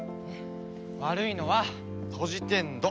悪いのはトジテンド！